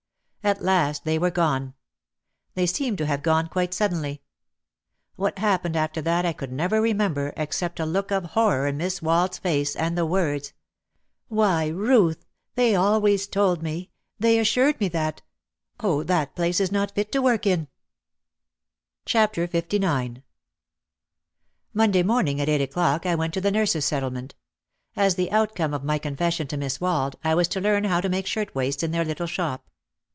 At last they were gone. They seemed to have gone quite suddenly. What happened after that I could never remember except a look of horror in Miss Wald's face and the words, "Why, Ruth ! they always told me — they assured me that — Oh, that place is not fit to work in." 278 OUT OF THE SHADOW LIX Monday morning at eight o'clock I went to the Nurses' Settlement. As the outcome of my confession to Miss Wald, I was to learn how to make shirtwaists in their little shop.